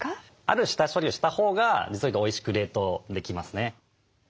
ある下処理をしたほうが実を言うとおいしく冷凍できますね。